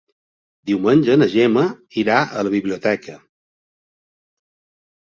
Diumenge na Gemma irà a la biblioteca.